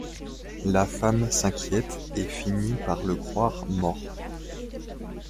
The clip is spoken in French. La femme s'inquiète et finit par le croire mort.